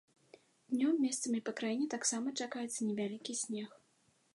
Днём месцамі па краіне таксама чакаецца невялікі снег.